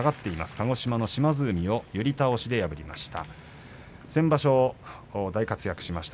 鹿児島の島津海を寄り倒しで破りました。